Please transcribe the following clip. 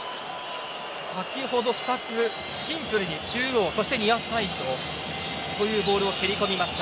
先ほど２つ、シンプルに中央そしてニアサイドというボールを蹴り込みました。